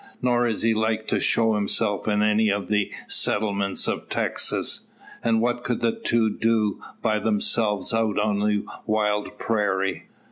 Nor is he like to show himself in any o' the settlements of Texas. And what could the two do by themselves out on the wild prairie?"